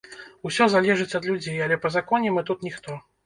Усё залежыць ад людзей, але па законе мы тут ніхто.